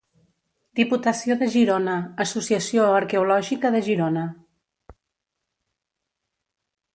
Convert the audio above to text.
Diputació de Girona, Associació Arqueològica de Girona.